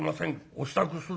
お支度するだけ。